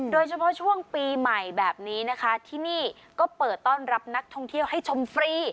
โดยเฉพาะช่วงปีใหม่แบบนี้นะคะที่นี่ก็เปิดต้อนรับนักท่องเที่ยวให้ชมฟรี